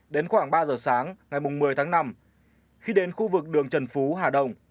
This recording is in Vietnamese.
đến khoảng ba giờ sáng ngày một mươi tháng năm khi đến khu vực đường trần phú hà đông